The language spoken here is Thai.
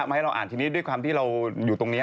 มาให้เราอ่านทีนี้ด้วยความที่เราอยู่ตรงนี้